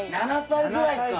７歳ぐらいか。